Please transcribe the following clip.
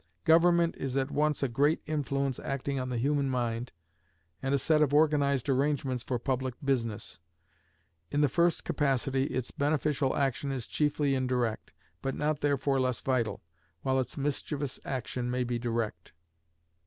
Government is at once a great influence acting on the human mind, and a set of organized arrangements for public business: in the first capacity its beneficial action is chiefly indirect, but not therefore less vital, while its mischievous action may be direct.